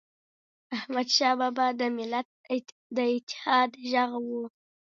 احمدشاه بابا د ملت د اتحاد ږغ و.